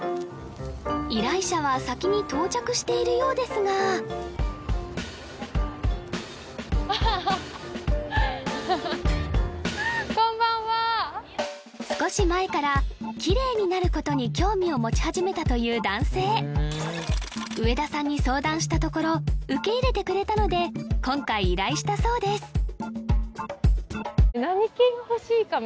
依頼者は先に到着しているようですがこんばんは少し前からきれいになることに興味を持ち始めたという男性植田さんに相談したところ受け入れてくれたので今回依頼したそうです